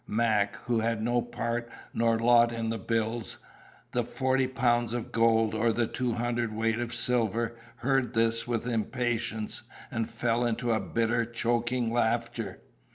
Mac, who had no part nor lot in the bills, the forty pounds of gold, or the two hundredweight of silver, heard this with impatience, and fell into a bitter, choking laughter.